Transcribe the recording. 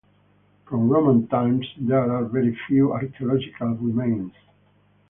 From Roman times there are very few Archaeological remains.